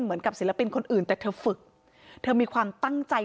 ศิลปินคนอื่นแต่เธอฝึกเธอมีความตั้งใจ